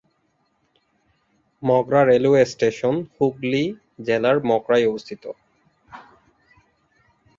Mogra railway station Hooghly জেলার মগরায় অবস্থিত।